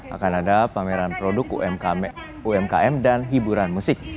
akan ada pameran produk umkm dan hiburan musik